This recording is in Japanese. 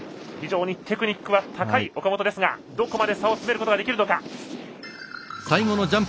非常にテクニックは高い岡本ですがどこまで差を詰めることができるのか。